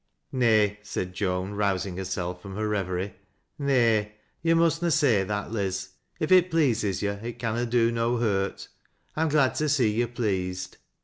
"Nay," said Joan rousing herself from her reverie. ■' Nay, yo' must na say that, Liz. If it pleases yo' it conna do no hurt ; I'm glad to see yo' pleased."